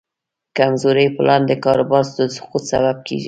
کمزوری پلان د کاروبار د سقوط سبب کېږي.